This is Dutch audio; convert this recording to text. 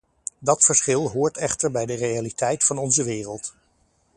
Dat verschil hoort echter bij de realiteit van onze wereld.